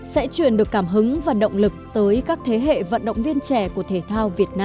sẽ truyền được cảm hứng và động lực tới các thế hệ vận động viên trẻ của thể thao việt nam